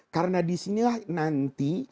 karena disinilah nanti